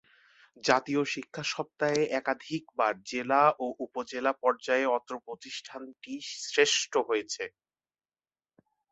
জাতীয় শিক্ষা সপ্তাহ-এ একাধিকবার জেলা ও উপজেলা পর্যায়ে অত্র প্রতিষ্ঠানটি শ্রেষ্ঠ হয়েছে।